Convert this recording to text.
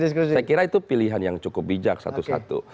saya kira itu pilihan yang cukup bijak satu satu